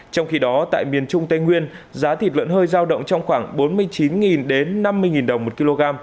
trong khi đó tại miền trung tây nguyên giá thịt lợn hơi giao động trong khoảng bốn mươi chín đến năm mươi đồng một kg